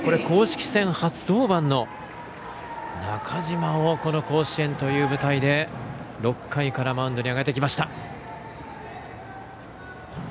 公式戦初登板の中嶋をこの甲子園という舞台で６回からマウンドに上げてきました。